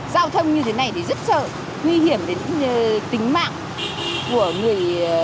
giao thông như thế này thì rất sợ nguy hiểm đến tính mạng của người